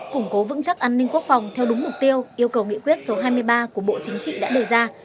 củng cố vững chắc an ninh quốc phòng theo đúng mục tiêu yêu cầu nghị quyết số hai mươi ba của bộ chính trị đã đề ra